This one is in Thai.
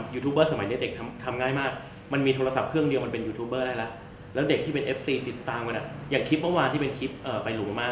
อย่างคลิปเมื่อวานที่เป็นคลิป